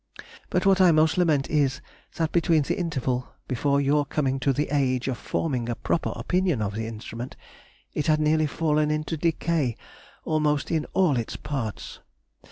But what I most lament is, that between the interval before your coming to the age of forming a proper opinion of the instrument, it had nearly fallen into decay almost in all its parts.